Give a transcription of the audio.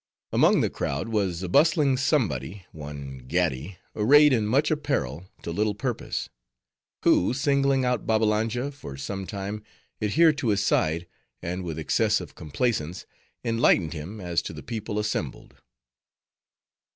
Among the crowd was a bustling somebody, one Gaddi, arrayed in much apparel to little purpose; who, singling out Babbalanja, for some time adhered to his side, and with excessive complaisance, enlightened him as to the people assembled.